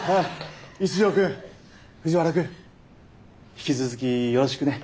一条くん藤原くん引き続きよろしくね。